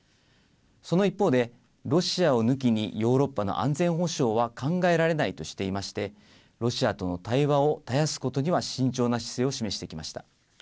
その一方で、ロシアを抜きにヨーロッパの安全保障は考えられないとしていまして、ロシアとの対話を絶やすことには慎重な姿勢を示してきました。